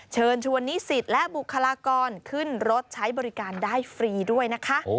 เชิญชวนนิสิตและบุคลากรขึ้นรถใช้บริการได้ฟรีด้วยนะคะ